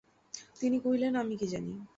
তিনি কহিলেন, আমি কী জানি।